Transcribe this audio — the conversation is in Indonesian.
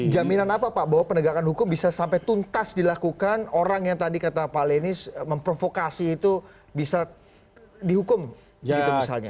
jaminan apa pak bahwa penegakan hukum bisa sampai tuntas dilakukan orang yang tadi kata pak lenis memprovokasi itu bisa dihukum gitu misalnya